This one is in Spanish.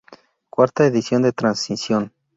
Cuarta edición de transición.